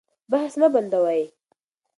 بحث مه بندوئ.